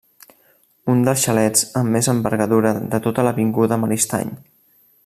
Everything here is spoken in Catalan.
Un dels xalets amb més envergadura de tota l'avinguda Maristany.